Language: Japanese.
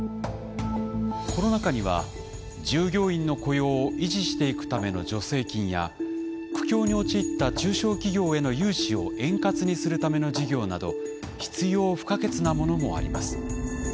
この中には従業員の雇用を維持していくための助成金や苦境に陥った中小企業への融資を円滑にするための事業など必要不可欠なものもあります。